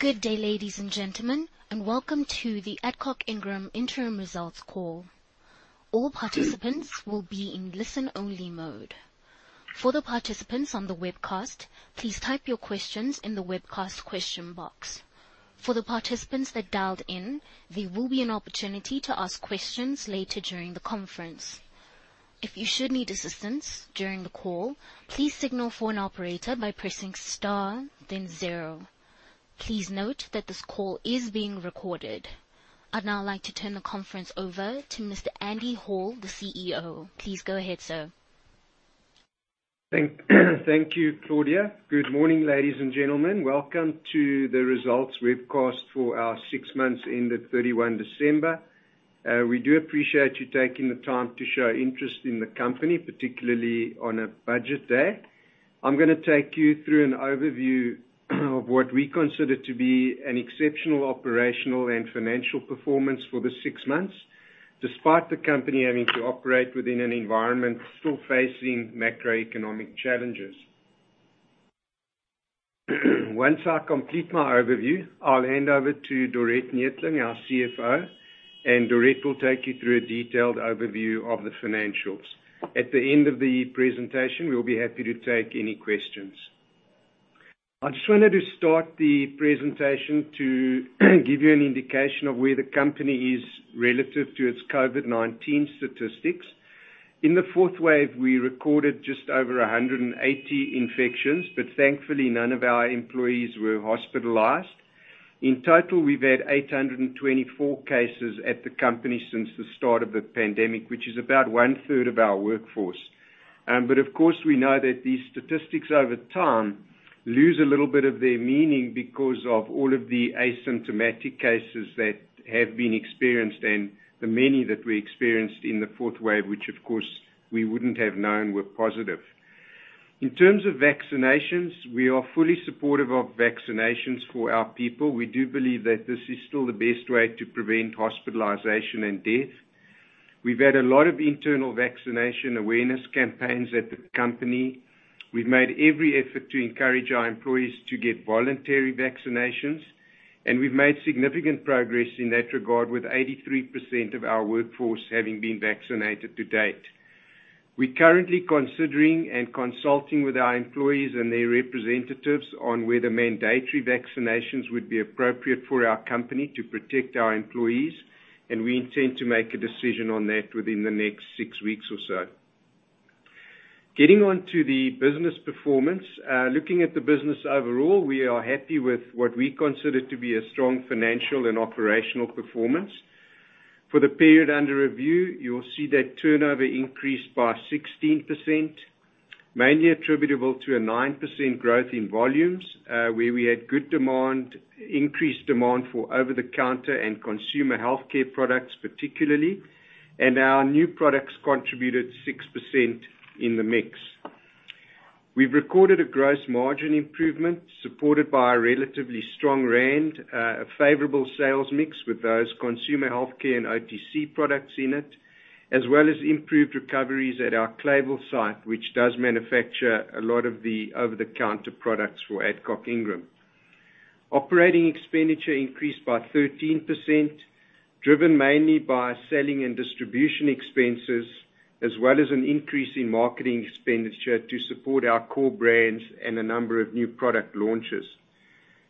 Good day, ladies and gentlemen, and welcome to the Adcock Ingram interim results call. All participants will be in listen-only mode. For the participants on the webcast, please type your questions in the webcast question box. For the participants that dialed in, there will be an opportunity to ask questions later during the conference. If you should need assistance during the call, please signal for an operator by pressing star then zero. Please note that this call is being recorded. I'd now like to turn the conference over to Mr. Andy Hall, the CEO. Please go ahead, sir. Thank you, Claudia. Good morning, ladies and gentlemen. Welcome to the results webcast for our six months ended 31 December. We do appreciate you taking the time to show interest in the company, particularly on a budget day. I'm gonna take you through an overview of what we consider to be an exceptional operational and financial performance for the six months, despite the company having to operate within an environment still facing macroeconomic challenges. Once I complete my overview, I'll hand over to Dorette Neethling, our CFO, and Dorette will take you through a detailed overview of the financials. At the end of the presentation, we'll be happy to take any questions. I just wanted to start the presentation to give you an indication of where the company is relative to its COVID-19 statistics. In the fourth wave, we recorded just over 180 infections, but thankfully none of our employees were hospitalized. In total, we've had 824 cases at the company since the start of the pandemic, which is about 1/3 Of our workforce. Of course we know that these statistics over time lose a little bit of their meaning because of all of the asymptomatic cases that have been experienced and the many that we experienced in the fourth wave, which of course we wouldn't have known were positive. In terms of vaccinations, we are fully supportive of vaccinations for our people. We do believe that this is still the best way to prevent hospitalization and death. We've had a lot of internal vaccination awareness campaigns at the company. We've made every effort to encourage our employees to get voluntary vaccinations, and we've made significant progress in that regard, with 83% of our workforce having been vaccinated to date. We're currently considering and consulting with our employees and their representatives on whether mandatory vaccinations would be appropriate for our company to protect our employees, and we intend to make a decision on that within the next six weeks or so. Getting on to the business performance. Looking at the business overall, we are happy with what we consider to be a strong financial and operational performance. For the period under review, you'll see that turnover increased by 16%, mainly attributable to a 9% growth in volumes, where we had good demand, increased demand for over-the-counter and consumer healthcare products particularly, and our new products contributed 6% in the mix. We've recorded a gross margin improvement supported by a relatively strong rand, a favorable sales mix with those consumer healthcare and OTC products in it, as well as improved recoveries at our Clayville site, which does manufacture a lot of the over-the-counter products for Adcock Ingram. Operating expenditure increased by 13%, driven mainly by selling and distribution expenses, as well as an increase in marketing expenditure to support our core brands and a number of new product launches.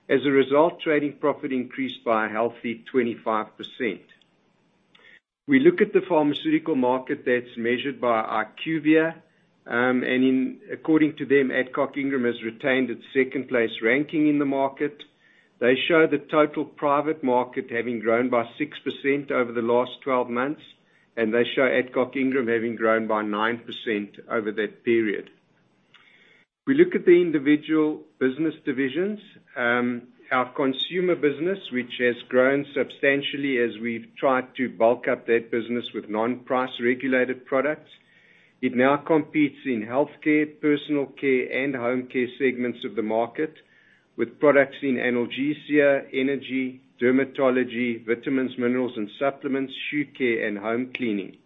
As a result, trading profit increased by a healthy 25%. We look at the pharmaceutical market that's measured by IQVIA, and according to them, Adcock Ingram has retained its second-place ranking in the market. They show the total private market having grown by 6% over the last 12 months, and they show Adcock Ingram having grown by 9% over that period. We look at the individual business divisions. Our consumer business, which has grown substantially as we've tried to bulk up that business with non-price-regulated products. It now competes in healthcare, personal care, and home care segments of the market with products in analgesia, energy, dermatology, vitamins, minerals and supplements, shoe care and home cleaning.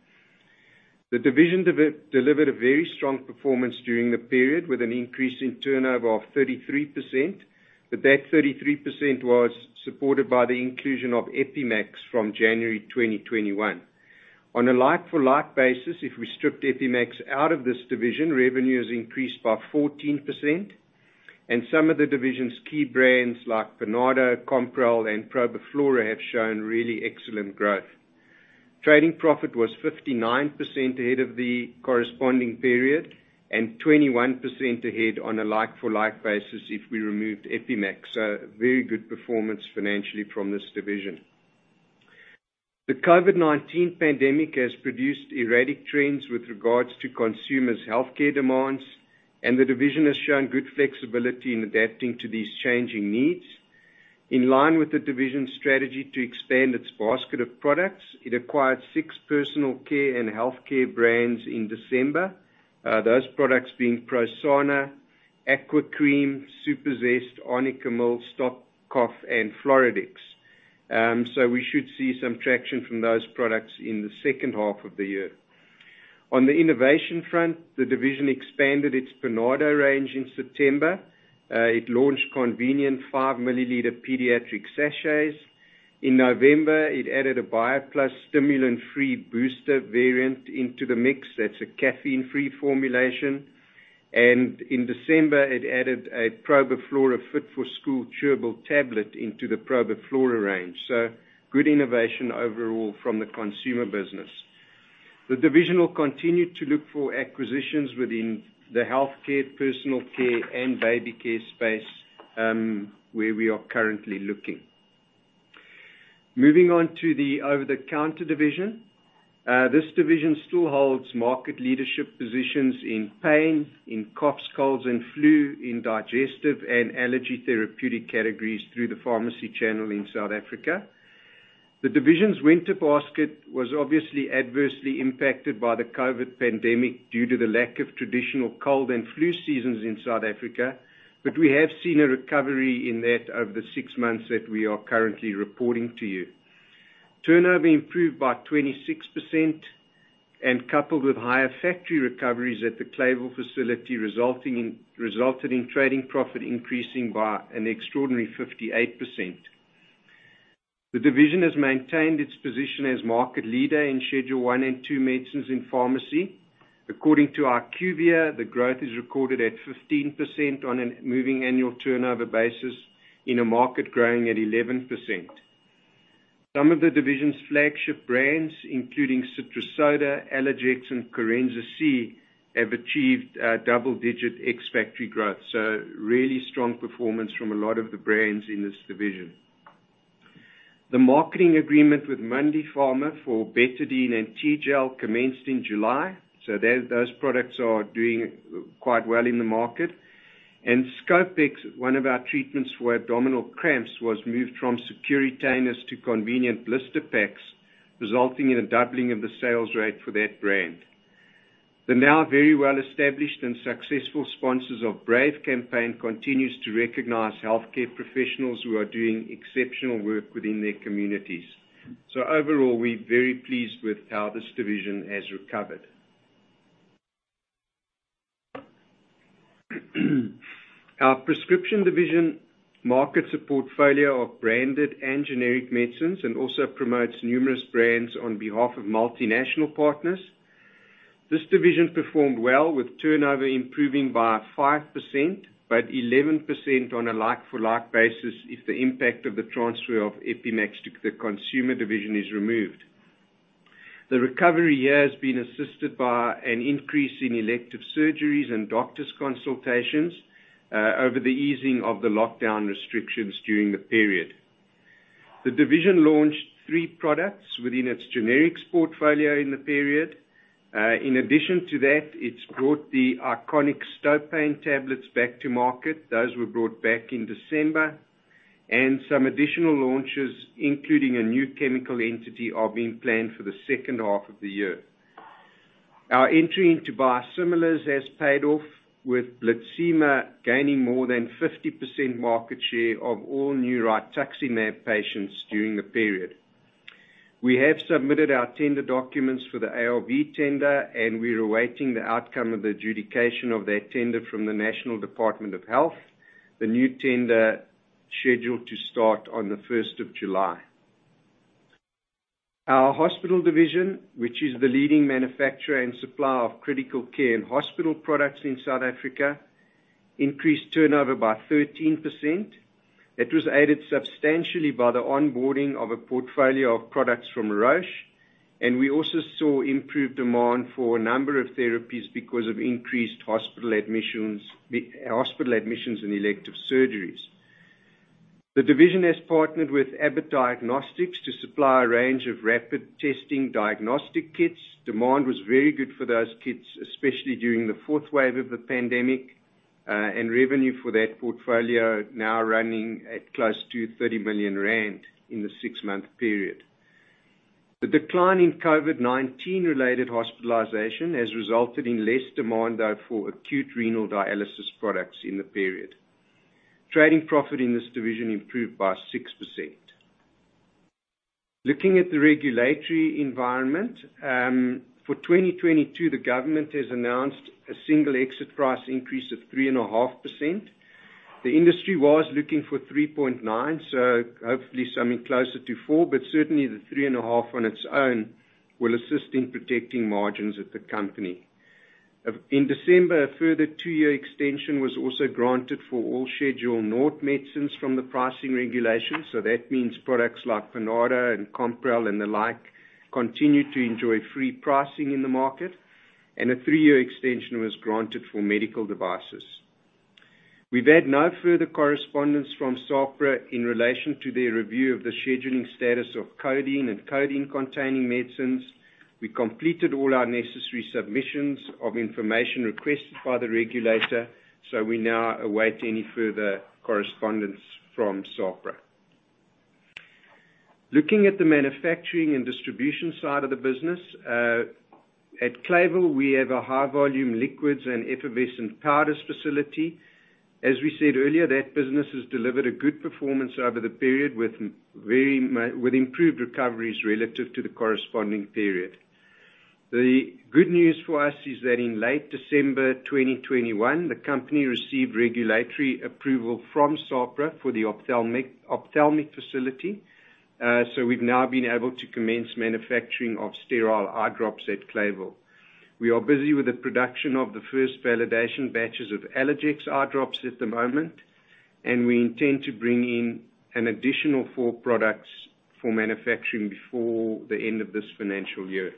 The division delivered a very strong performance during the period, with an increase in turnover of 33%, but that 33% was supported by the inclusion of Epi-max from January 2021. On a like for like basis, if we stripped Epi-max out of this division, revenue has increased by 14%, and some of the division's key brands like Bioplus, Compral, and ProbiFlora have shown really excellent growth. Trading profit was 59% ahead of the corresponding period and 21% ahead on a like for like basis if we removed Epi-max. A very good performance financially from this division. The COVID-19 pandemic has produced erratic trends with regards to consumers' healthcare demands, and the division has shown good flexibility in adapting to these changing needs. In line with the division's strategy to expand its basket of products, it acquired six personal care and healthcare brands in December. Those products being Prosana, Aqua Cream, Superzest, Arnicamill, Stop Cough, and Floradix. We should see some traction from those products in the second half of the year. On the innovation front, the division expanded its Panado range in September. It launched convenient 5 mL pediatric sachets. In November, it added a Bioplus stimulant-free booster variant into the mix. That's a caffeine-free formulation. In December, it added a ProbiFlora Fit for School chewable tablet into the ProbiFlora range. Good innovation overall from the consumer business. The division will continue to look for acquisitions within the healthcare, personal care and baby care space, where we are currently looking. Moving on to the over-the-counter division. This division still holds market leadership positions in pain, in coughs, colds and flu, in digestive and allergy therapeutic categories through the pharmacy channel in South Africa. The division's winter basket was obviously adversely impacted by the COVID pandemic due to the lack of traditional cold and flu seasons in South Africa. We have seen a recovery in that over the six months that we are currently reporting to you. Turnover improved by 26% and coupled with higher factory recoveries at the Clayville facility, resulted in trading profit increasing by an extraordinary 58%. The division has maintained its position as market leader in Schedule 1 and Schedule 2 medicines in pharmacy. According to IQVIA, the growth is recorded at 15% on a moving annual turnover basis in a market growing at 11%. Some of the division's flagship brands, including Citro-Soda, Allergex, and Corenza C, have achieved double-digit ex-factory growth. Really strong performance from a lot of the brands in this division. The marketing agreement with Mundipharma for Betadine and T/Gel commenced in July. Those products are doing quite well in the market. Scopex, one of our treatments for abdominal cramps, was moved from security tins to convenient blister packs, resulting in a doubling of the sales rate for that brand. The now very well-established and successful Sponsors of Brave campaign continues to recognize healthcare professionals who are doing exceptional work within their communities. Overall, we're very pleased with how this division has recovered. Our prescription division markets a portfolio of branded and generic medicines, and also promotes numerous brands on behalf of multinational partners. This division performed well with turnover improving by 5%, but 11% on a like-for-like basis if the impact of the transfer of Epi-max to the consumer division is removed. The recovery here has been assisted by an increase in elective surgeries and doctors' consultations over the easing of the lockdown restrictions during the period. The division launched three products within its generics portfolio in the period. In addition to that, it's brought the iconic Stopain tablets back to market. Those were brought back in December, and some additional launches, including a new chemical entity, are being planned for the second half of the year. Our entry into biosimilars has paid off, with Blitzima gaining more than 50% market share of all new rituximab patients during the period. We have submitted our tender documents for the ARV tender, and we're awaiting the outcome of the adjudication of that tender from the National Department of Health. The new tender is scheduled to start on the July 1st. Our hospital division, which is the leading manufacturer and supplier of critical care and hospital products in South Africa, increased turnover by 13%. That was aided substantially by the onboarding of a portfolio of products from Roche, and we also saw improved demand for a number of therapies because of increased hospital admissions and elective surgeries. The division has partnered with Abbott Diagnostics to supply a range of rapid testing diagnostic kits. Demand was very good for those kits, especially during the fourth wave of the pandemic, and revenue for that portfolio now running at close to 30 million rand in the six-month period. The decline in COVID-19 related hospitalization has resulted in less demand, though, for acute renal dialysis products in the period. Trading profit in this division improved by 6%. Looking at the regulatory environment, for 2022, the government has announced a Single Exit Price increase of 3.5%. The industry was looking for 3.9%, so hopefully something closer to 4%, but certainly the 3.5% on its own will assist in protecting margins at the company. In December, a further two-year extension was also granted for all Schedule 0 medicines from the pricing regulations. That means products like Panado and Compral, and the like, continue to enjoy free pricing in the market, and a three-year extension was granted for medical devices. We've had no further correspondence from SAHPRA in relation to their review of the scheduling status of codeine and codeine-containing medicines. We completed all our necessary submissions of information requested by the regulator, so we now await any further correspondence from SAHPRA. Looking at the manufacturing and distribution side of the business, at Clayville, we have a high volume liquids and effervescent powders facility. As we said earlier, that business has delivered a good performance over the period with improved recoveries relative to the corresponding period. The good news for us is that in late December 2021, the company received regulatory approval from SAHPRA for the ophthalmic facility. We've now been able to commence manufacturing of sterile eye drops at Clayville. We are busy with the production of the first validation batches of Allergan's eye drops at the moment, and we intend to bring in an additional four products for manufacturing before the end of this financial year.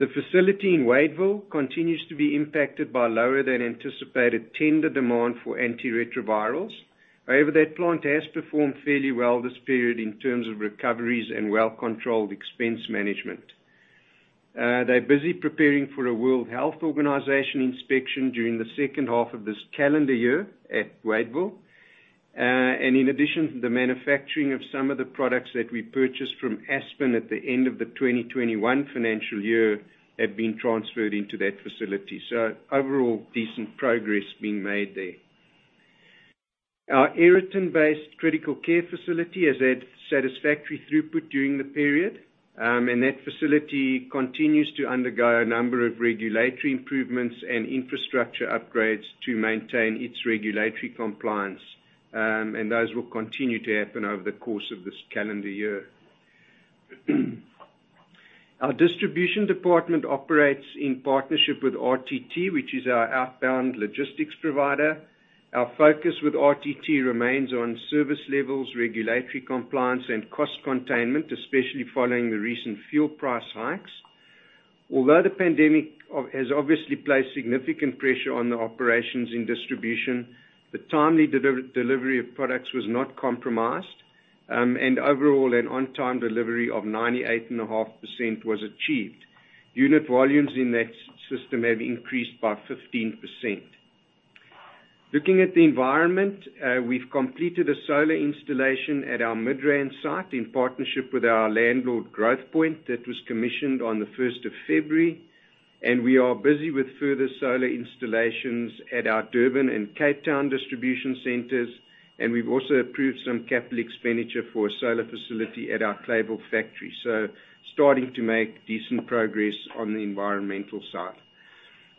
The facility in Wadeville continues to be impacted by lower than anticipated tender demand for antiretrovirals. However, that plant has performed fairly well this period in terms of recoveries and well-controlled expense management. They're busy preparing for a World Health Organization inspection during the second half of this calendar year at Wadeville. In addition, the manufacturing of some of the products that we purchased from Aspen at the end of the 2021 financial year have been transferred into that facility. Overall, decent progress being made there. Our Aeroton-based critical care facility has had satisfactory throughput during the period. That facility continues to undergo a number of regulatory improvements and infrastructure upgrades to maintain its regulatory compliance. Those will continue to happen over the course of this calendar year. Our distribution department operates in partnership with RTT, which is our outbound logistics provider. Our focus with RTT remains on service levels, regulatory compliance, and cost containment, especially following the recent fuel price hikes. Although the pandemic has obviously placed significant pressure on the operations in distribution, the timely delivery of products was not compromised, and overall an on-time delivery of 98.5% was achieved. Unit volumes in that system have increased by 15%. Looking at the environment, we've completed a solar installation at our Midrand site in partnership with our landlord Growthpoint. That was commissioned on the first of February, and we are busy with further solar installations at our Durban and Cape Town distribution centers, and we've also approved some capital expenditure for a solar facility at our Clayville factory. Starting to make decent progress on the environmental side.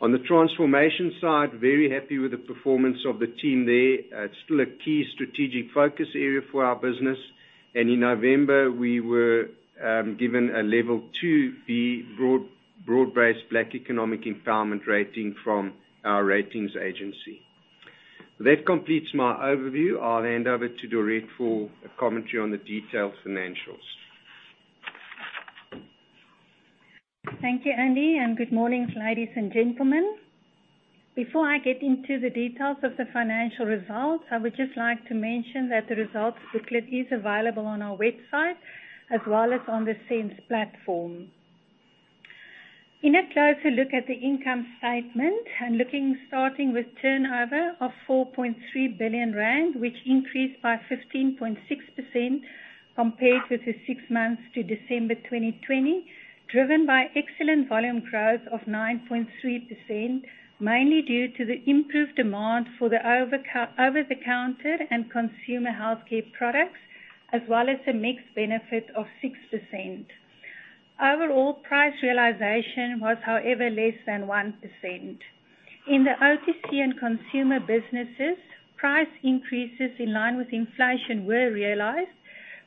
On the transformation side, very happy with the performance of the team there. It's still a key strategic focus area for our business. In November, we were given a level 2 B-BBEE rating from our ratings agency. That completes my overview. I'll hand over to Dorette for a commentary on the detailed financials. Thank you, Andy, and good morning, ladies and gentlemen. Before I get into the details of the financial results, I would just like to mention that the results booklet is available on our website as well as on the SENS platform. In a closer look at the income statement, I'm looking starting with turnover of 4.3 billion rand, which increased by 15.6% compared with the six months to December 2020, driven by excellent volume growth of 9.3%, mainly due to the improved demand for the over-the-counter and consumer healthcare products, as well as a mix benefit of 6%. Overall price realization was, however, less than 1%. In the OTC and consumer businesses, price increases in line with inflation were realized,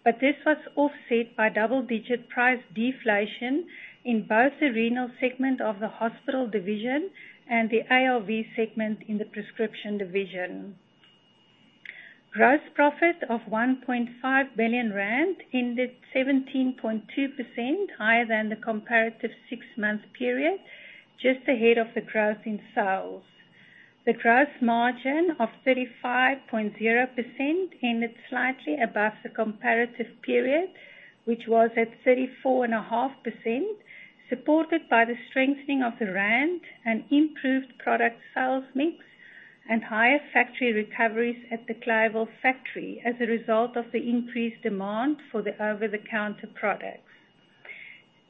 but this was offset by double-digit price deflation in both the renal segment of the hospital division and the ARV segment in the prescription division. Gross profit of 1.5 billion rand ended 17.2% higher than the comparative six-month period, just ahead of the growth in sales. The gross margin of 35.0% ended slightly above the comparative period, which was at 34.5%, supported by the strengthening of the rand and improved product sales mix and higher factory recoveries at the Clayville factory as a result of the increased demand for the over-the-counter products,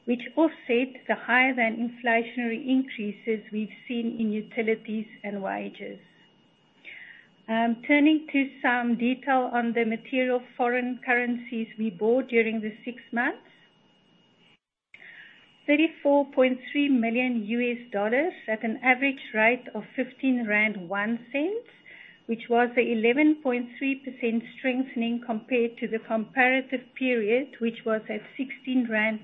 which offset the higher than inflationary increases we've seen in utilities and wages. Turning to some detail on the material foreign currencies we bought during the six months. $34.3 million U.S. dollars at an average rate of 15.01 rand, which was a 11.3% strengthening compared to the comparative period, which was at 16.92 rand,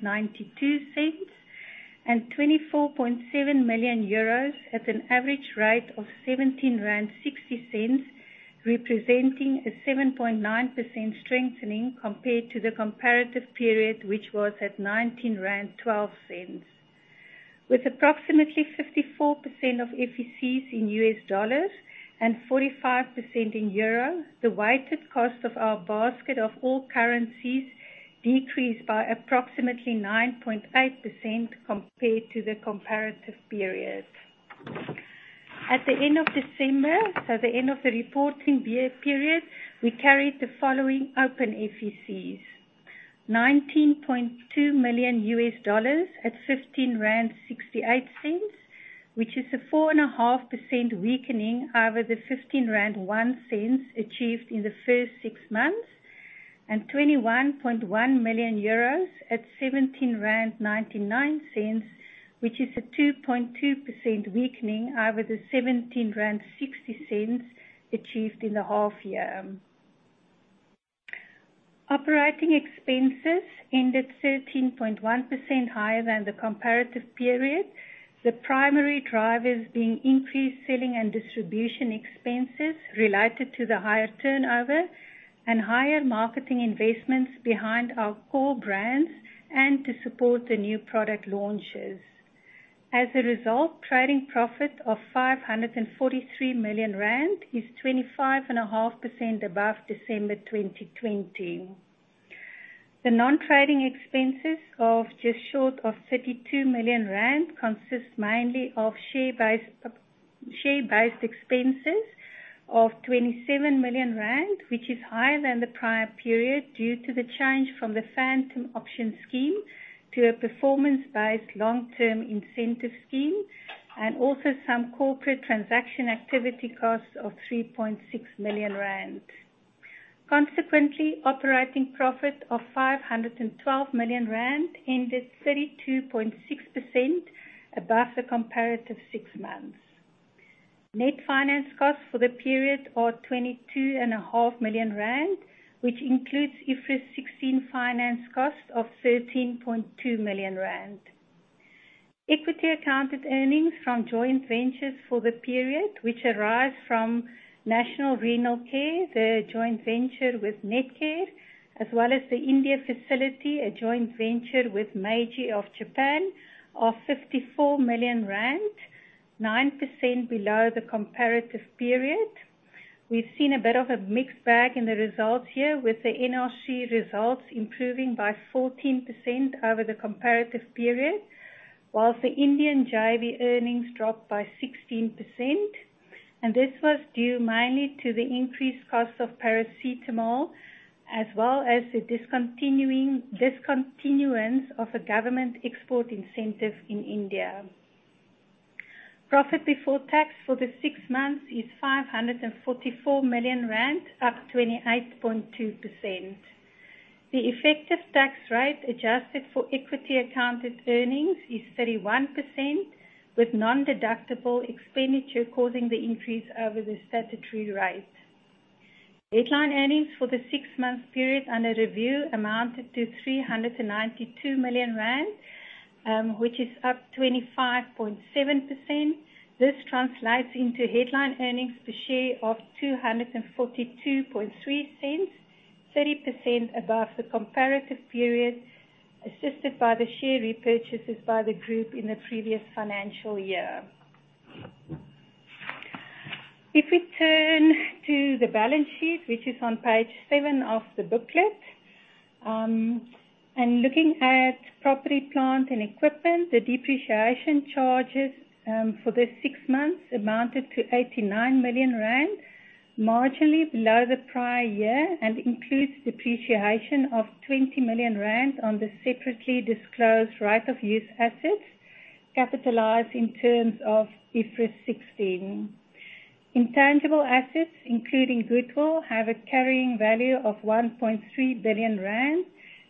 and 24.7 million euros at an average rate of 17.60 rand, representing a 7.9% strengthening compared to the comparative period, which was at 19.12 rand. With approximately 54% of FECs in U.S. dollars and 45% in euro, the weighted cost of our basket of all currencies decreased by approximately 9.8% compared to the comparative period. At the end of December, so the end of the reporting year period, we carried the following open FECs. $19.2 million at 15.68 rand, which is a 4.5% weakening over the 15.01 rand achieved in the first six months, and 21.1 million euros at 17.99 rand, which is a 2.2% weakening over the 17.60 rand achieved in the half year. Operating expenses ended 13.1% higher than the comparative period. The primary drivers being increased selling and distribution expenses related to the higher turnover and higher marketing investments behind our core brands and to support the new product launches. As a result, trading profit of 543 million rand is 25.5% above December 2020. The non-trading expenses of just short of 32 million rand consist mainly of share-based expenses of 27 million rand, which is higher than the prior period due to the change from the phantom option scheme to a performance-based long-term incentive scheme, and also some corporate transaction activity costs of 3.6 million rand. Consequently, operating profit of 512 million rand ended 32.6% above the comparative six months. Net finance costs for the period are 22.5 million rand, which includes IFRS 16 finance cost of 13.2 million rand. Equity accounted earnings from joint ventures for the period, which arise from National Renal Care, the joint venture with Netcare, as well as the India facility, a joint venture with Meiji of Japan, are 54 million rand, 9% below the comparative period. We've seen a bit of a mixed bag in the results here, with the NRC results improving by 14% over the comparative period, while the Indian JV earnings dropped by 16%, and this was due mainly to the increased cost of paracetamol as well as the discontinuance of a government export incentive in India. Profit before tax for the six months is 544 million rand, up 28.2%. The effective tax rate adjusted for equity accounted earnings is 31%, with nondeductible expenditure causing the increase over the statutory rate. Headline earnings for the six-month period under review amounted to 392 million rand, which is up 25.7%. This translates into headline earnings per share of 2.423, 30% above the comparative period, assisted by the share repurchases by the group in the previous financial year. If we turn to the balance sheet, which is on page seven of the booklet, and looking at property, plant, and equipment, the depreciation charges for this six months amounted to 89 million rand, marginally below the prior year, and includes depreciation of 20 million rand on the separately disclosed right of use assets capitalized in terms of IFRS 16. Intangible assets, including goodwill, have a carrying value of 1.3 billion rand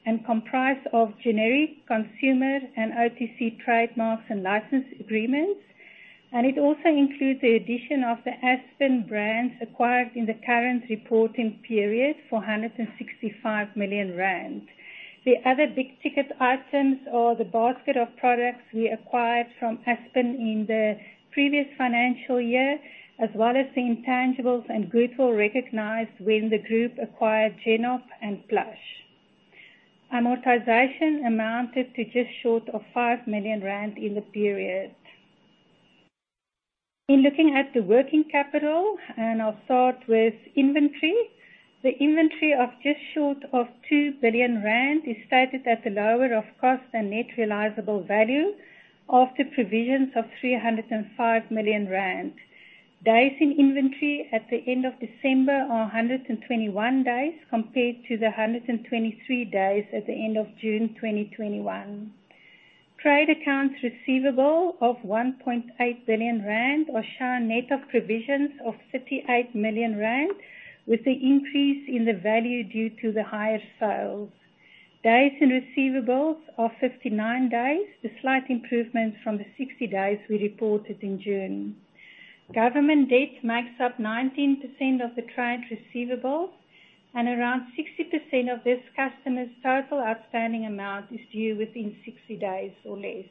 and comprise of generic consumer and OTC trademarks and license agreements. It also includes the addition of the Aspen brands acquired in the current reporting period for 165 million rand. The other big-ticket items are the basket of products we acquired from Aspen in the previous financial year, as well as the intangibles and goodwill recognized when the group acquired Genop and Plush. Amortization amounted to just short of 5 million rand in the period. In looking at the working capital, and I'll start with inventory. The inventory of just short of 2 billion rand is stated at the lower of cost and net realizable value after provisions of 305 million rand. Days in inventory at the end of December are 121 days compared to the 123 days at the end of June 2021. Trade accounts receivable of 1.8 billion rand are shown net of provisions of 38 million rand, with the increase in the value due to the higher sales. Days in receivables are 59 days, a slight improvement from the 60 days we reported in June. Government debt makes up 19% of the trade receivables, and around 60% of this customer's total outstanding amount is due within 60 days or less.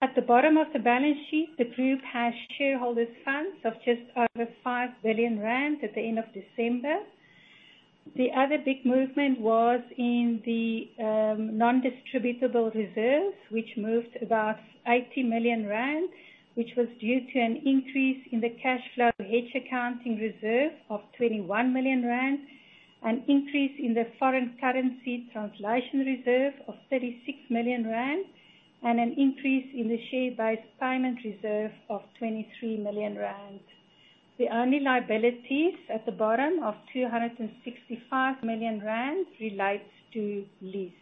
At the bottom of the balance sheet, the group has shareholders' funds of just over 5 billion rand at the end of December. The other big movement was in the non-distributable reserves, which moved about 80 million rand, which was due to an increase in the cash flow hedge accounting reserve of 21 million rand, an increase in the foreign currency translation reserve of 36 million rand, and an increase in the share-based payment reserve of 23 million rand. The only liabilities at the bottom of 265 million rand relates to leases.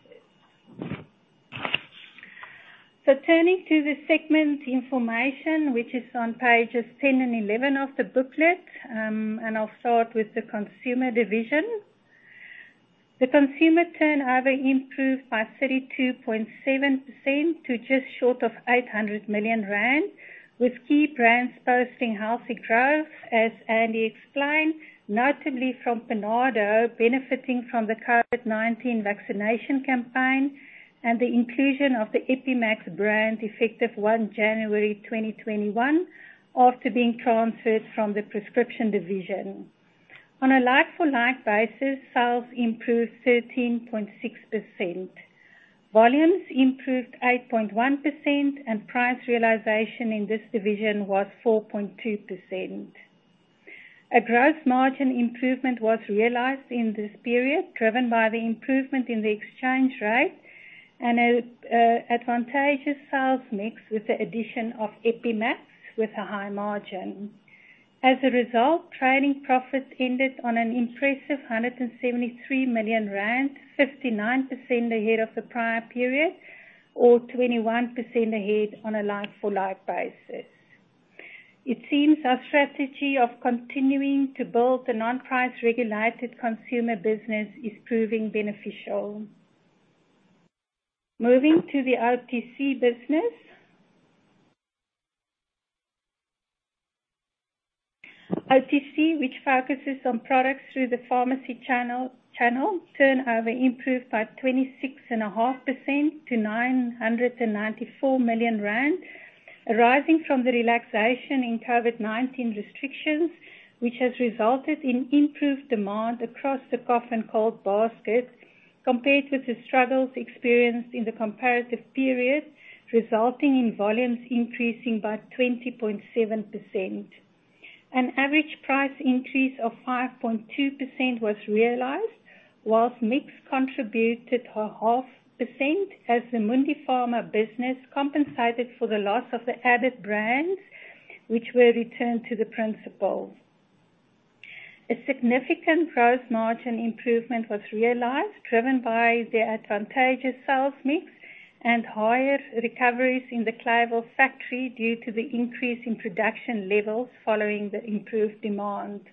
Turning to the segment information, which is on pages 10 and 11 of the booklet, and I'll start with the Consumer division. The Consumer turnover improved by 32.7% to just short of 800 million rand, with key brands posting healthy growth, as Andy explained, notably from Panado, benefiting from the COVID-19 vaccination campaign and the inclusion of the Epi-max brand, effective January 1, 2021, after being transferred from the prescription division. On a like for like basis, sales improved 13.6%. Volumes improved 8.1%, and price realization in this division was 4.2%. A gross margin improvement was realized in this period, driven by the improvement in the exchange rate and a advantageous sales mix with the addition of Epi-max, with a high margin. As a result, trading profit ended on an impressive 173 million rand, 59% ahead of the prior period, or 21% ahead on a like-for-like basis. It seems our strategy of continuing to build the non-price regulated consumer business is proving beneficial. Moving to the OTC business. OTC, which focuses on products through the pharmacy channel, turnover improved by 26.5% to 994 million rand, arising from the relaxation in COVID-19 restrictions, which has resulted in improved demand across the cough and cold basket, compared with the struggles experienced in the comparative period, resulting in volumes increasing by 20.7%. An average price increase of 5.2% was realized, while mix contributed 0.5%, as the Mundipharma business compensated for the loss of the Abbott brands, which were returned to the principal. A significant gross margin improvement was realized, driven by the advantageous sales mix and higher recoveries in the Clayville factory due to the increase in production levels following the improved demand.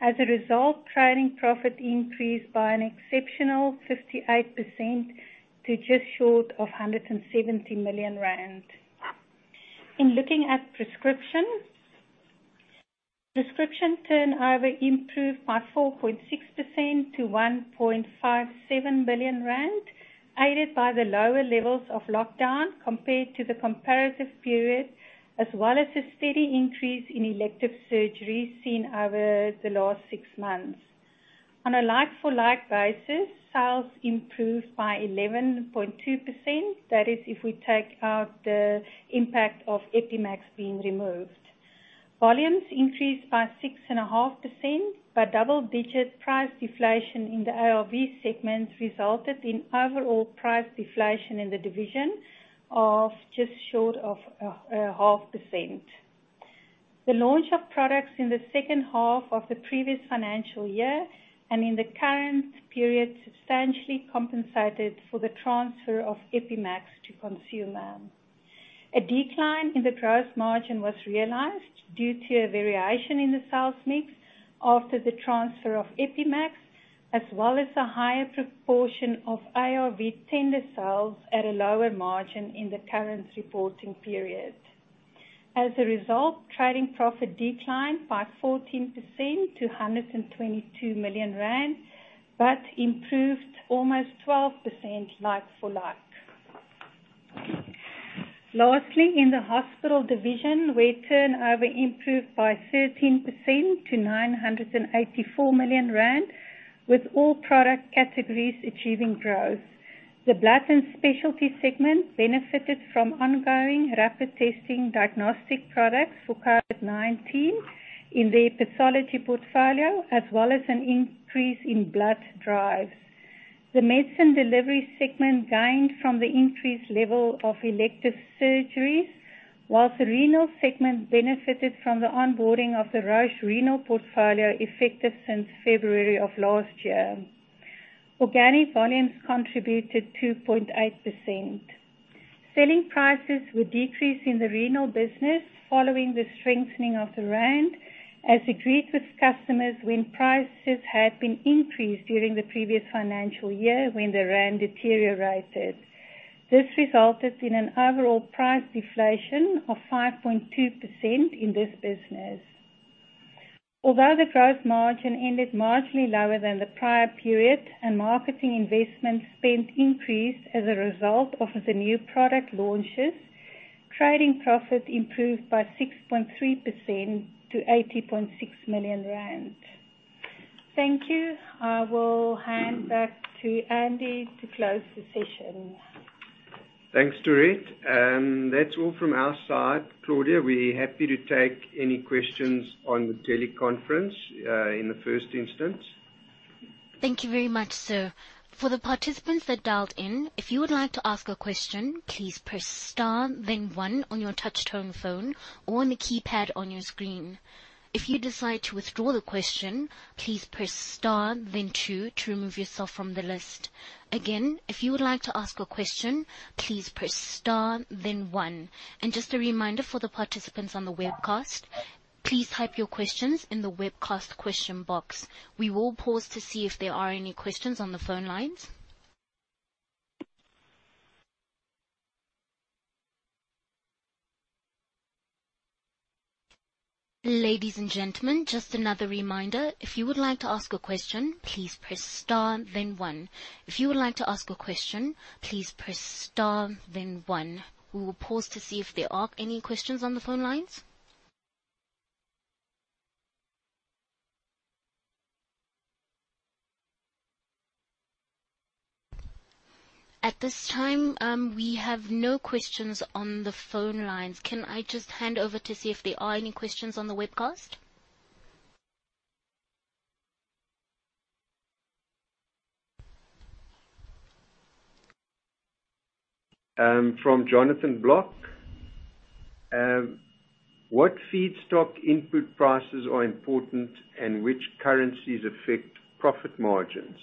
As a result, trading profit increased by an exceptional 58% to just short of 170 million rand. In looking at prescriptions, prescription turnover improved by 4.6% to 1.57 billion rand, aided by the lower levels of lockdown compared to the comparative period, as well as a steady increase in elective surgeries seen over the last six months. On a like for like basis, sales improved by 11.2%. That is, if we take out the impact of Epi-max being removed. Volumes increased by 6.5%, but double-digit price deflation in the ARV segments resulted in overall price deflation in the division of just short of 0.5%. The launch of products in the second half of the previous financial year and in the current period substantially compensated for the transfer of Epi-max to Consumer. A decline in the gross margin was realized due to a variation in the sales mix after the transfer of Epi-max, as well as a higher proportion of ARV tender sales at a lower margin in the current reporting period. As a result, trading profit declined by 14% to 122 million rand, but improved almost 12% like for like. Lastly, in the Hospital Division, where turnover improved by 13% to 984 million rand, with all product categories achieving growth. The blood and specialty segment benefited from ongoing rapid testing diagnostic products for COVID-19 in their pathology portfolio, as well as an increase in blood drives. The medicine delivery segment gained from the increased level of elective surgeries, while the renal segment benefited from the onboarding of the Roche renal portfolio, effective since February of last year. Organic volumes contributed 2.8%. Selling prices were decreased in the renal business following the strengthening of the rand, as agreed with customers when prices had been increased during the previous financial year, when the rand deteriorated. This resulted in an overall price deflation of 5.2% in this business. Although the gross margin ended marginally lower than the prior period, and marketing investment spend increased as a result of the new product launches, trading profit improved by 6.3% to 80.6 million rand. Thank you. I will hand back to Andy to close the session. Thanks, Dorette, and that's all from our side. Claudia, we're happy to take any questions on the teleconference in the first instance. Thank you very much, sir. For the participants that dialed in, if you would like to ask a question, please press star then one on your touchtone phone or on the keypad on your screen. If you decide to withdraw the question, please press star then two to remove yourself from the list. Again, if you would like to ask a question, please press star then one. Just a reminder for the participants on the webcast, please type your questions in the webcast question box. We will pause to see if there are any questions on the phone lines. Ladies and gentlemen, just another reminder, if you would like to ask a question, please press star then one. If you would like to ask a question, please press star then one. We will pause to see if there are any questions on the phone lines. At this time, we have no questions on the phone lines. Can I just hand over to see if there are any questions on the webcast? From Jonathan Louw. What feedstock input prices are important and which currencies affect profit margins?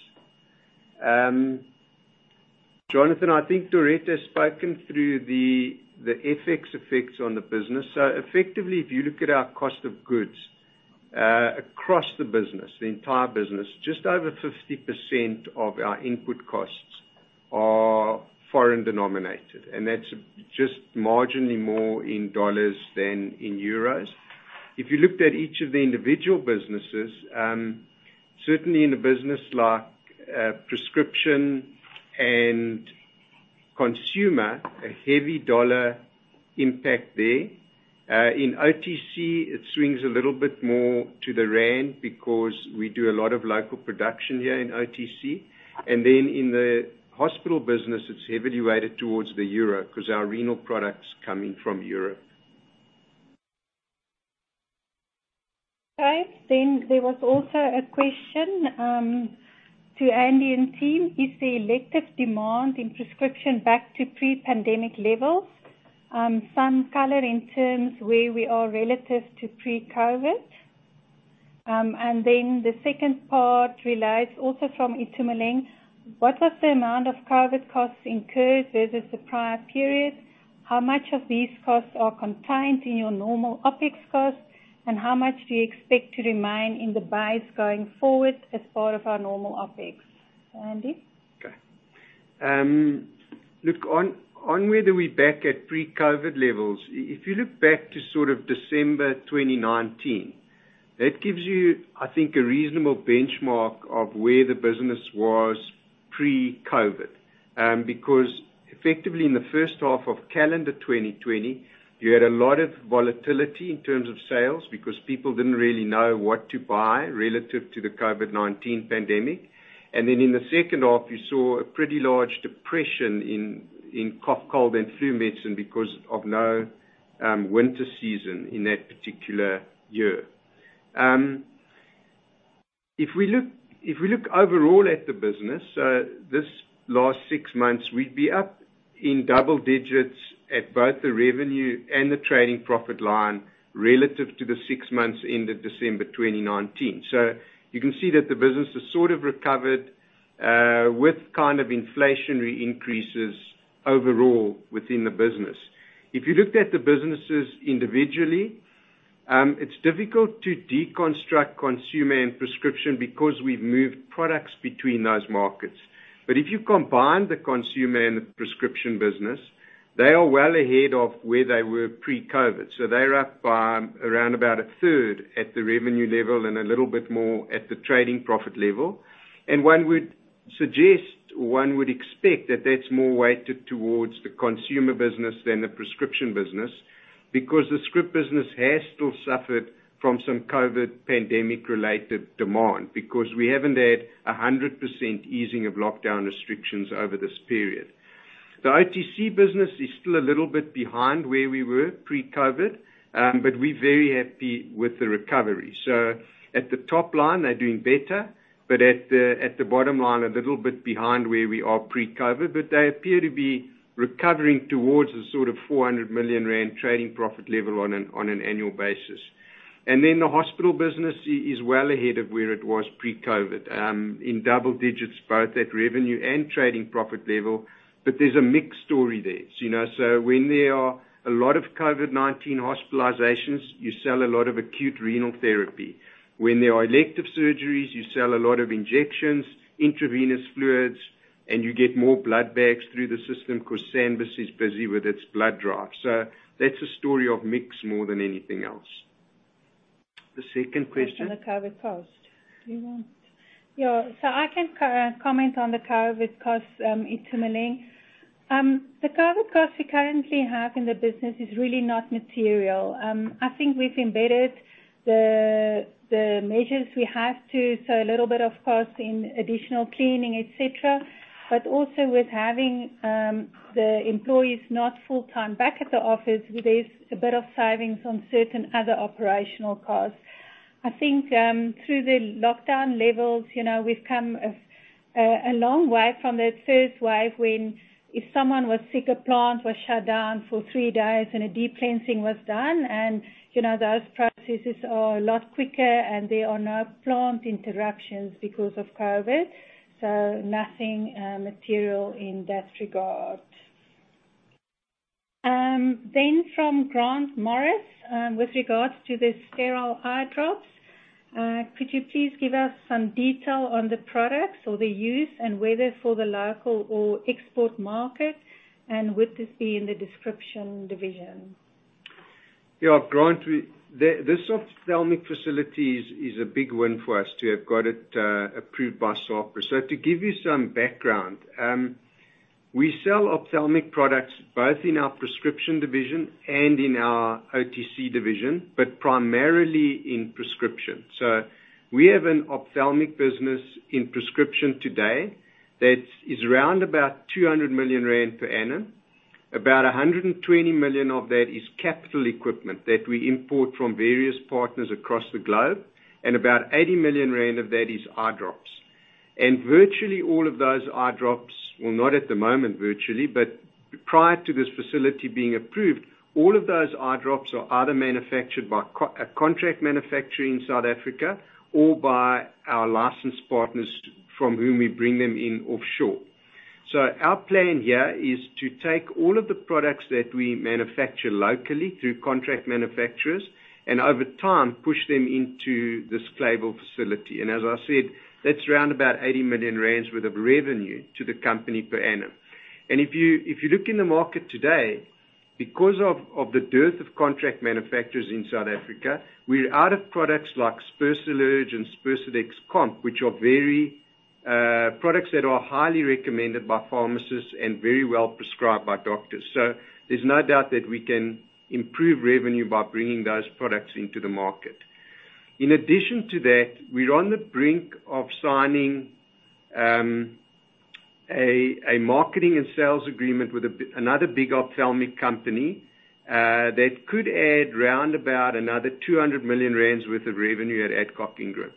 Jonathan, I think Dorette has spoken through the FX effects on the business. Effectively, if you look at our cost of goods across the business, the entire business, just over 50% of our input costs are foreign denominated, and that's just marginally more in dollars than in euros. If you looked at each of the individual businesses, certainly in a business like Prescription and Consumer, a heavy dollar impact there. In OTC, it swings a little bit more to the rand because we do a lot of local production here in OTC. In the Hospital business, it's heavily weighted towards the euro because our renal products come in from Europe. Okay. There was also a question to Andy and team. Is the elective demand in prescription back to pre-pandemic levels? Some color in terms where we are relative to pre-COVID. The second part relates also from Itumeleng. What was the amount of COVID costs incurred versus the prior period? How much of these costs are contained in your normal OpEx costs, and how much do you expect to remain in the base going forward as part of our normal OpEx? Andy? Okay. Look on whether we're back at pre-COVID levels, if you look back to sort of December 2019, that gives you, I think, a reasonable benchmark of where the business was pre-COVID. Because effectively in the first half of calendar 2020, you had a lot of volatility in terms of sales because people didn't really know what to buy relative to the COVID-19 pandemic. In the second half, you saw a pretty large depression in cough, cold and flu medicine because of no winter season in that particular year. If we look overall at the business, this last six months, we'd be up in double digits at both the revenue and the trading profit line relative to the six months ended December 2019. You can see that the business has sort of recovered with kind of inflationary increases overall within the business. If you looked at the businesses individually, it's difficult to deconstruct consumer and prescription because we've moved products between those markets. If you combine the consumer and the prescription business, they are well ahead of where they were pre-COVID. They're up by around about a third at the revenue level and a little bit more at the trading profit level. One would suggest, one would expect that that's more weighted towards the consumer business than the prescription business, because the script business has still suffered from some COVID pandemic-related demand, because we haven't had 100% easing of lockdown restrictions over this period. The OTC business is still a little bit behind where we were pre-COVID, but we're very happy with the recovery. At the top line, they're doing better, but at the bottom line, a little bit behind where we are pre-COVID. They appear to be recovering towards the sort of 400 million rand trading profit level on an annual basis. The hospital business is well ahead of where it was pre-COVID, in double-digits, both at revenue and trading profit level. There's a mixed story there. You know, when there are a lot of COVID-19 hospitalizations, you sell a lot of acute renal therapy. When there are elective surgeries, you sell a lot of injections, intravenous fluids, and you get more blood bags through the system 'cause SANBS is busy with its blood drive. That's a story of mix more than anything else. The second question? Question on the COVID cost. I can comment on the COVID costs, Itumeleng. The COVID costs we currently have in the business is really not material. I think we've embedded the measures we have to, so a little bit of cost in additional cleaning, et cetera. But also with having the employees not full-time back at the office, there's a bit of savings on certain other operational costs. I think through the lockdown levels, you know, we've come a long way from that first wave when if someone was sick, a plant was shut down for three days and a deep cleansing was done. You know, those processes are a lot quicker, and there are no plant interruptions because of COVID, so nothing material in that regard. From Grant Morris, with regards to the sterile eye drops, could you please give us some detail on the products or the use and whether for the local or export market, and would this be in the prescription division? Grant, this ophthalmic facility is a big win for us to have got it approved by SAHPRA. To give you some background, we sell ophthalmic products both in our prescription division and in our OTC division, but primarily in prescription. We have an ophthalmic business in prescription today that is around about 200 million rand per annum. About 120 million of that is capital equipment that we import from various partners across the globe, and about 80 million rand of that is eye drops. Virtually all of those eye drops, not at the moment virtually, but prior to this facility being approved, all of those eye drops are either manufactured by a contract manufacturer in South Africa or by our licensed partners from whom we bring them in offshore. Our plan here is to take all of the products that we manufacture locally through contract manufacturers and over time push them into the Clayville facility. As I said, that's around about 80 million rand worth of revenue to the company per annum. If you look in the market today, because of the dearth of contract manufacturers in South Africa, we're out of products like Spersallerg and Spersadex Comp, which are very products that are highly recommended by pharmacists and very well prescribed by doctors. There's no doubt that we can improve revenue by bringing those products into the market. In addition to that, we're on the brink of signing a marketing and sales agreement with another big ophthalmic company that could add around about another 200 million rand worth of revenue at Adcock Ingram.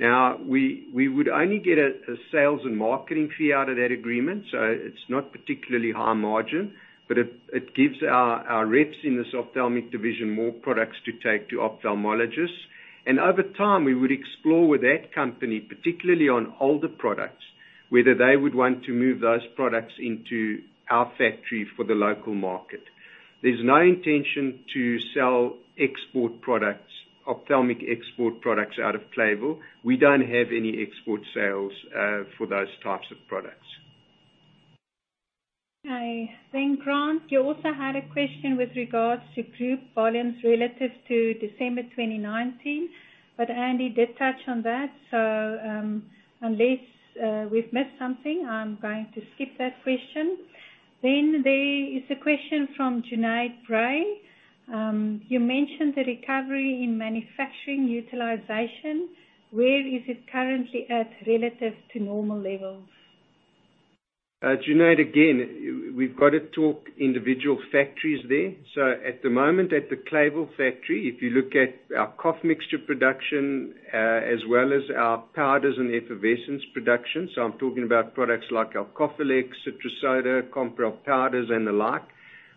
Now, we would only get a sales and marketing fee out of that agreement, so it's not particularly high margin, but it gives our reps in this ophthalmic division more products to take to ophthalmologists. Over time, we would explore with that company, particularly on older products, whether they would want to move those products into our factory for the local market. There's no intention to sell export products, ophthalmic export products out of Clayville. We don't have any export sales for those types of products. Okay. Grant, you also had a question with regards to group volumes relative to December 2019, but Andy did touch on that. Unless we've missed something, I'm going to skip that question. There is a question from Junaid Brey. You mentioned the recovery in manufacturing utilization. Where is it currently at relative to normal levels? Junaid, again, we've got to talk individual factories there. At the moment, at the Clayville factory, if you look at our cough mixture production, as well as our powders and effervescent production, I'm talking about products like our Coffelex, Citro-Soda, Compral powders, and the like,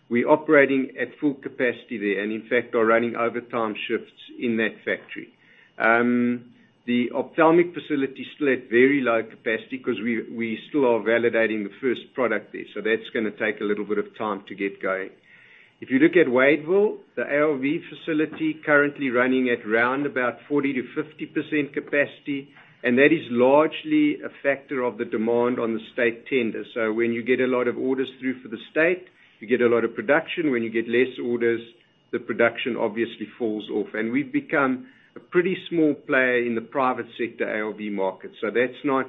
we're operating at full capacity there, and in fact are running overtime shifts in that factory. The ophthalmic facility is still at very low capacity because we still are validating the first product there, so that's gonna take a little bit of time to get going. If you look at Wadeville, the ARV facility currently running at around 40%-50% capacity, and that is largely a factor of the demand on the state tender. When you get a lot of orders through for the state, you get a lot of production. When you get less orders, the production obviously falls off. We've become a pretty small player in the private sector ARV market, so that's not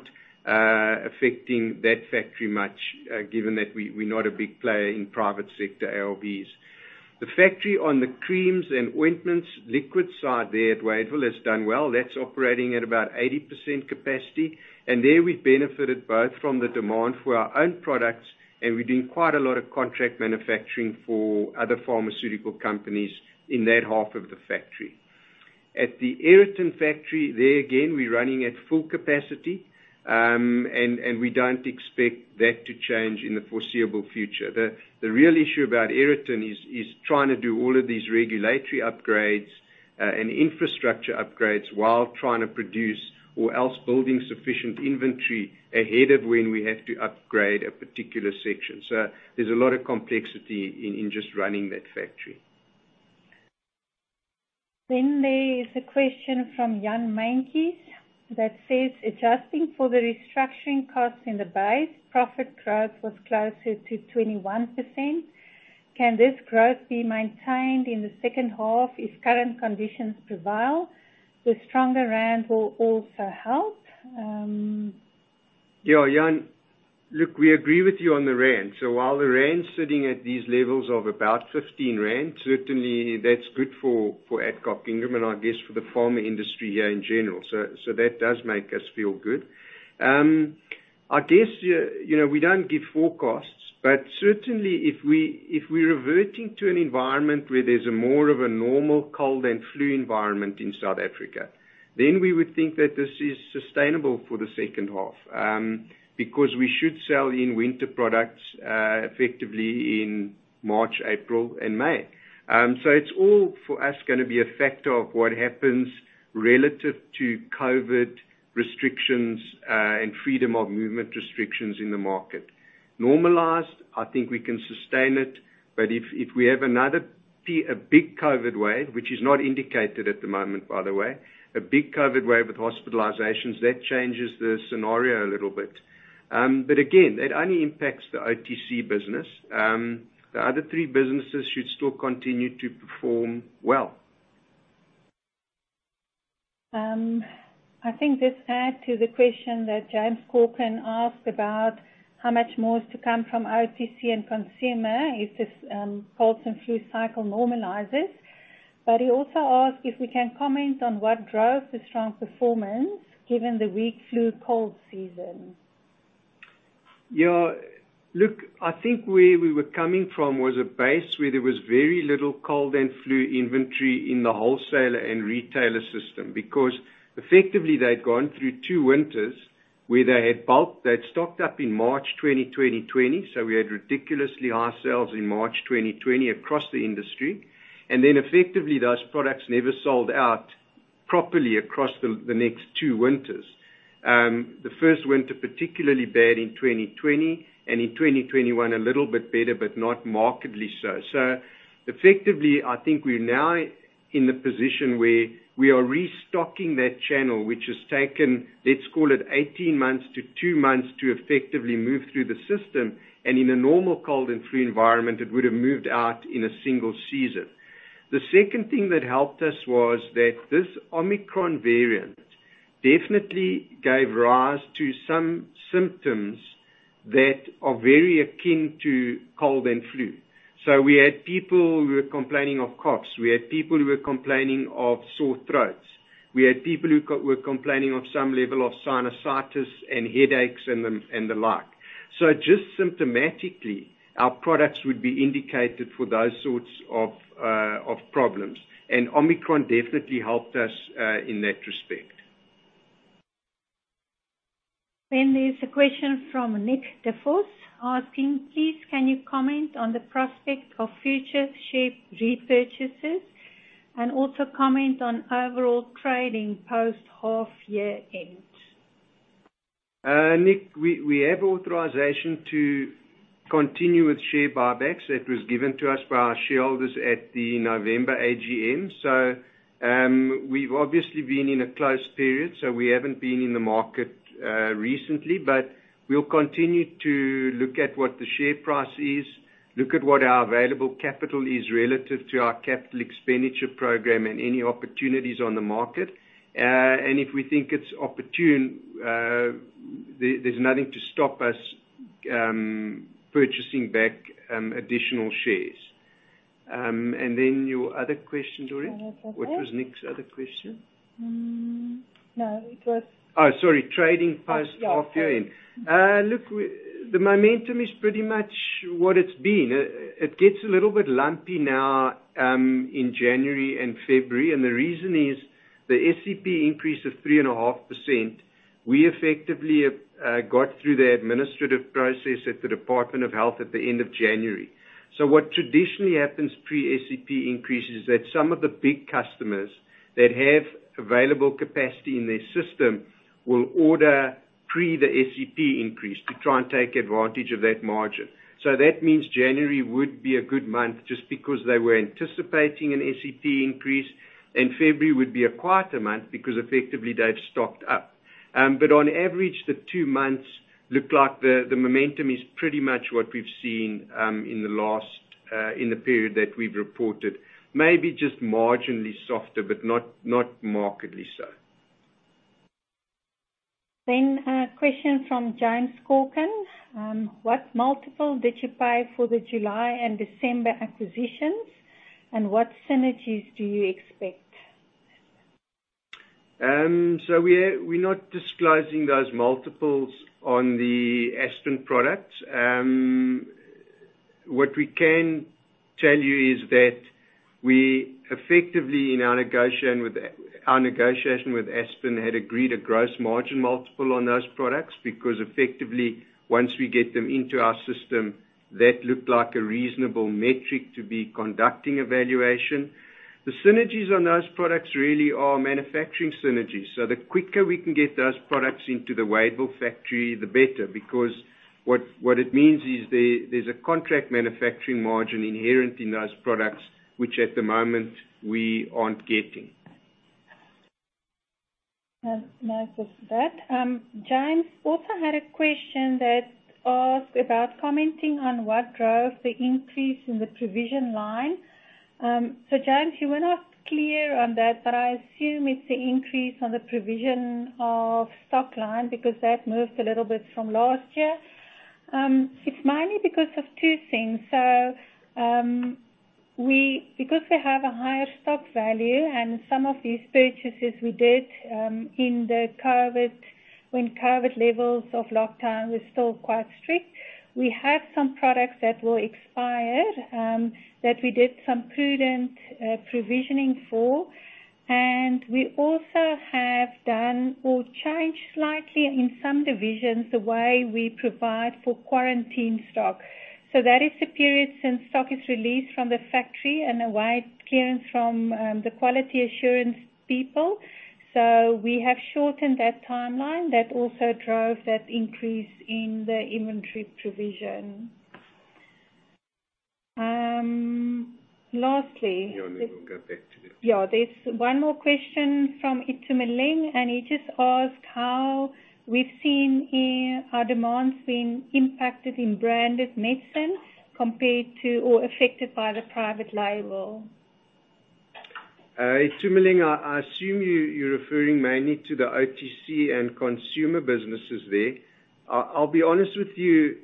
affecting that factory much, given that we're not a big player in private sector ARVs. The factory on the creams and ointments liquid side there at Wadeville has done well. That's operating at about 80% capacity. There we benefited both from the demand for our own products, and we're doing quite a lot of contract manufacturing for other pharmaceutical companies in that half of the factory. At the Aeroton factory, there again, we're running at full capacity, and we don't expect that to change in the foreseeable future. The real issue about Aeroton is trying to do all of these regulatory upgrades and infrastructure upgrades while trying to produce or else building sufficient inventory ahead of when we have to upgrade a particular section. There's a lot of complexity in just running that factory. There is a question from Jan Meintjies that says, "Adjusting for the restructuring costs in the base, profit growth was closer to 21%. Can this growth be maintained in the second half if current conditions prevail?" The stronger rand will also help. Yeah, Jan, look, we agree with you on the rand. While the rand's sitting at these levels of about 15 rand, certainly that's good for Adcock Ingram and I guess for the pharma industry here in general. That does make us feel good. I guess, you know, we don't give forecasts, but certainly if we're reverting to an environment where there's a more of a normal cold and flu environment in South Africa, then we would think that this is sustainable for the second half, because we should sell in winter products effectively in March, April and May. It's all for us gonna be a factor of what happens relative to COVID restrictions and freedom of movement restrictions in the market. Normalized, I think we can sustain it, but if we have another big COVID wave, which is not indicated at the moment, by the way, a big COVID wave with hospitalizations, that changes the scenario a little bit. Again, it only impacts the OTC business. The other three businesses should still continue to perform well. I think this adds to the question that James Corcoran asked about how much more is to come from OTC and consumer if this cold and flu cycle normalizes. He also asked if we can comment on what drove the strong performance, given the weak flu and cold season. Yeah. Look, I think where we were coming from was a base where there was very little cold and flu inventory in the wholesaler and retailer system because effectively they'd gone through two winters where they had bulked. They'd stocked up in March 2020, so we had ridiculously high sales in March 2020 across the industry. Then effectively those products never sold out properly across the next two winters. The first winter, particularly bad in 2020, and in 2021 a little bit better, but not markedly so. Effectively, I think we're now in the position where we are restocking that channel, which has taken, let's call it 18 months to two years to effectively move through the system. In a normal cold and flu environment, it would have moved out in a single season. The second thing that helped us was that this Omicron variant definitely gave rise to some symptoms that are very akin to cold and flu. We had people who were complaining of coughs, we had people who were complaining of sore throats, we had people who were complaining of some level of sinusitis and headaches and the like. Just symptomatically, our products would be indicated for those sorts of problems. Omicron definitely helped us in that respect. There's a question from Nick de Vos asking: Please, can you comment on the prospect of future share repurchases, and also comment on overall trading post half year end. Nick, we have authorization to continue with share buybacks. That was given to us by our shareholders at the November AGM. We've obviously been in a closed period, so we haven't been in the market recently. We'll continue to look at what the share price is, look at what our available capital is relative to our capital expenditure program and any opportunities on the market. And if we think it's opportune, there's nothing to stop us purchasing back additional shares. And then your other question, Doreen. That's okay. What was Nick's other question? Mm, no, it was- Trading post half-year end. Oh, yeah. Sorry. The momentum is pretty much what it's been. It gets a little bit lumpy now in January and February, and the reason is the SEP increase of 3.5%, we effectively have got through the administrative process at the Department of Health at the end of January. What traditionally happens pre-SEP increases is that some of the big customers that have available capacity in their system will order pre the SEP increase to try and take advantage of that margin. That means January would be a good month just because they were anticipating an SEP increase, and February would be a quieter month because effectively they've stocked up. On average, the two months look like the momentum is pretty much what we've seen in the period that we've reported. Maybe just marginally softer, but not markedly so. A question from James Corcoran. What multiple did you pay for the July and December acquisitions, and what synergies do you expect? We're not disclosing those multiples on the Aspen products. What we can tell you is that we effectively in our negotiation with Aspen had agreed a gross margin multiple on those products, because effectively once we get them into our system, that looked like a reasonable metric to be conducting evaluation. The synergies on those products really are manufacturing synergies. The quicker we can get those products into the Wadeville factory, the better, because what it means is there's a contract manufacturing margin inherent in those products, which at the moment we aren't getting. Nice. That's that. James also had a question that asked about commenting on what drove the increase in the provision line. James, you were not clear on that, but I assume it's the increase on the provision of stock line because that moved a little bit from last year. It's mainly because of two things. Because we have a higher stock value and some of these purchases we did, in the COVID, when COVID levels of lockdown were still quite strict. We had some products that will expire, that we did some prudent provisioning for. We also have done or changed slightly in some divisions, the way we provide for quarantine stock. That is the period since stock is released from the factory and await clearance from the quality assurance people. We have shortened that timeline. That also drove that increase in the inventory provision. Lastly. Yeah, we will get back to that. Yeah. There's one more question from Itumeleng, and he just asked how we've seen our demands being impacted in branded medicines compared to or affected by the private label. Itumeleng, I assume you're referring mainly to the OTC and consumer businesses there. I'll be honest with you,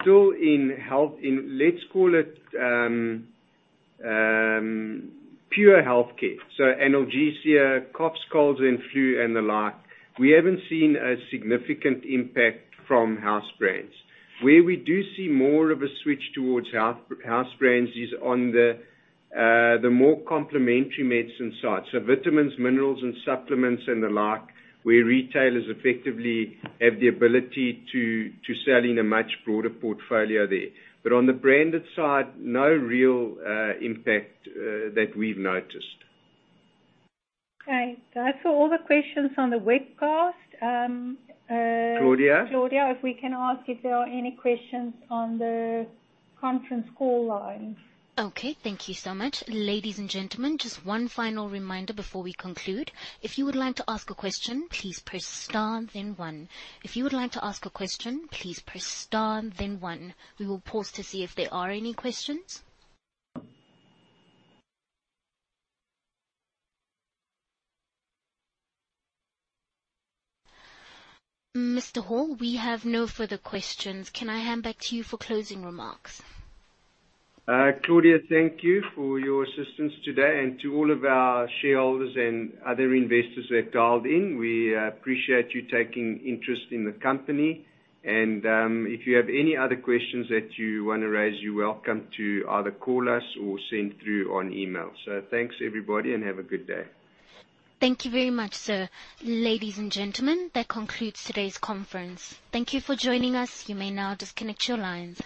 still in health, let's call it pure healthcare, so analgesia, coughs, colds and flu and the like. We haven't seen a significant impact from house brands. Where we do see more of a switch towards house brands is on the more complementary medicine side. So vitamins, minerals and supplements and the like, where retailers effectively have the ability to sell in a much broader portfolio there. But on the branded side, no real impact that we've noticed. Okay. That's all the questions on the webcast. Claudia. Claudia, if we can ask if there are any questions on the conference call lines. Okay, thank you so much. Ladies and gentlemen, just one final reminder before we conclude. If you would like to ask a question, please press star then one. We will pause to see if there are any questions. Mr. Hall, we have no further questions. Can I hand back to you for closing remarks? Claudia, thank you for your assistance today and to all of our shareholders and other investors who have dialed in. We appreciate you taking interest in the company and, if you have any other questions that you wanna raise, you're welcome to either call us or send through on email. Thanks everybody and have a good day. Thank you very much, sir. Ladies and gentlemen, that concludes today's conference. Thank you for joining us. You may now disconnect your lines.